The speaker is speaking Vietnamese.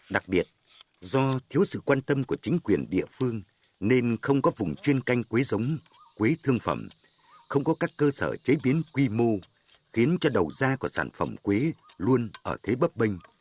đặc biệt do thiếu sự quan tâm của chính quyền địa phương nên không có vùng chuyên canh quế giống quế thương phẩm không có các cơ sở chế biến quy mô khiến cho đầu ra của sản phẩm quế luôn ở thế bấp bênh